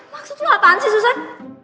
maksud lo apaan sih susan